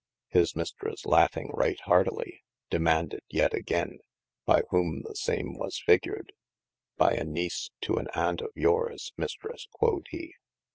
His mistres laughing right hartely, demaunded yet again, by whome the same was figured : by a niece to an Aunt of yours, Mistres (quod he).